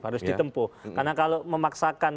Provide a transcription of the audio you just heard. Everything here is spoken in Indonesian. harus ditempuh karena kalau memaksakan